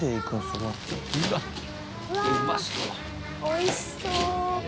おいしそう。